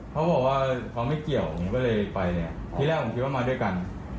เขาบอกว่าเขามันไม่เกี่ยวก็เลยไปเนี้ยนั้นตั้งเลยนึกว่ามาด้วยกัน